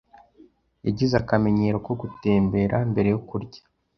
Yagize akamenyero ko gutembera mbere yo kurya.